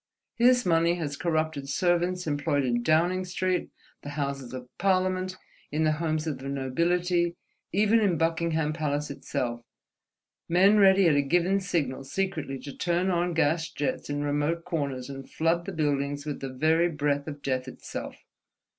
His money has corrupted servants employed in Downing Street, the Houses of Parliament, in the homes of the nobility, even in Buckingham Palace itself, men ready at a given signal secretly to turn on gas jets in remote corners and flood the buildings with the very breath of Death itself.